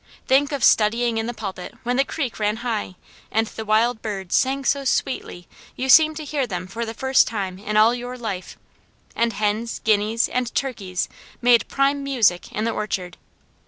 Think of studying in the pulpit when the creek ran high, and the wild birds sang so sweetly you seemed to hear them for the first time in all your life, and hens, guineas, and turkeys made prime music in the orchard.